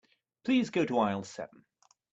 Please go to aisle seven.